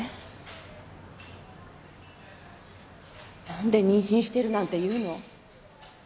何で妊娠してるなんて言うの？